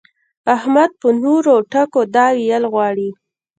احمد په نورو ټکو دا ويل غواړي.